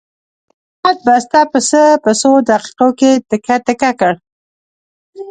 احمد بسته پسه په څو دقیقو کې تکه تکه کړ.